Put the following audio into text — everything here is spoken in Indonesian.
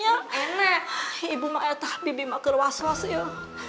jangan jangan jangan